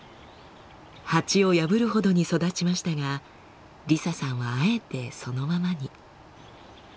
鉢を破るほどに育ちましたがリサさんはあえてそのままに。